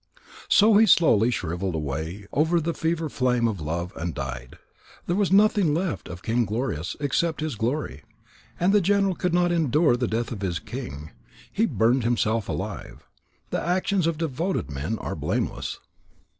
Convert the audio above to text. So he slowly shrivelled away over the fever flame of love and died. There was nothing left of King Glorious except his glory. And the general could not endure the death of his king. He burned himself alive. The actions of devoted men are blameless.